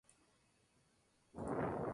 Su hábitat natural son: bosques templados.